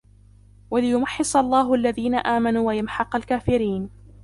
وَلِيُمَحِّصَ اللَّهُ الَّذِينَ آمَنُوا وَيَمْحَقَ الْكَافِرِينَ